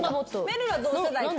めるるは同世代か。